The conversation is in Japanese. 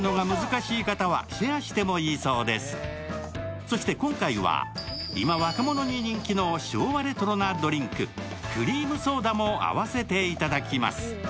そして今回は、今、若者に人気の昭和レトロなドリンク、クリームソーダも合わせていただきます。